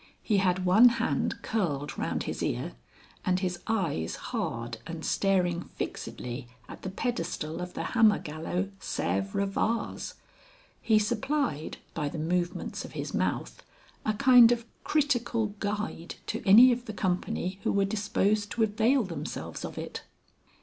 He had one hand curled round his ear, and his eyes hard and staring fixedly at the pedestal of the Hammergallow Sèvres vase. He supplied, by the movements of his mouth, a kind of critical guide to any of the company who were disposed to avail themselves of it.